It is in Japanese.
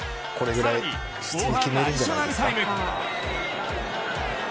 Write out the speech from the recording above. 更に後半アディショナルタイム。